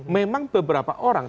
memang beberapa orang